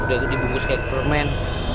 udah dibungkus kayak permen